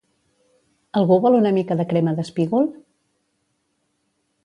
Algú vol una mica de crema d'espígol?